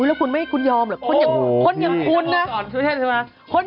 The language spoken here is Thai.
เอาข้ามหน่อย